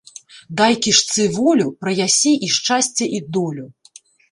Дай кішцы волю ‒ праясі і шчасце і долю